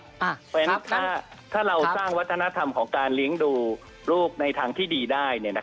เพราะฉะนั้นถ้าเราสร้างวัฒนธรรมของการเลี้ยงดูลูกในทางที่ดีได้